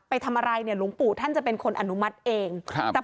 ไปทำอะไรเนี่ยหลวงปู่ท่านจะเป็นคนอนุมัติเองครับแต่